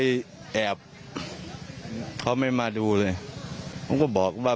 แล้วเขาเมาตามถ่วงแสบกว่า